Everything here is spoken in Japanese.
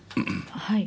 はい。